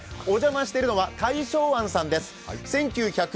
お邪魔しているのは大正庵さんです。